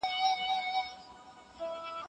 دفاع وزارت د نړیوالي محکمې پریکړه نه ردوي.